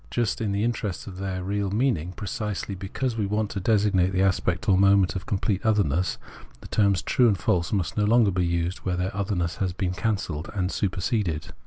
Just in the interest of their real meaning, precisely because we want to designate the aspect or moment of complete otherness, the terms true and false must no longer be used where their otherness has been can celled and superseded.